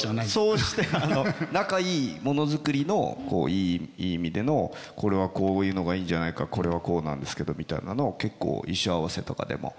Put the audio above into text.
そうして仲いいものづくりのいい意味でのこれはこういうのがいいんじゃないかこれはこうなんですけどみたいなのを結構衣装合わせとかでも。